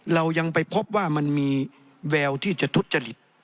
เรายังไปพบว่ามันมีแววที่จะทุจริต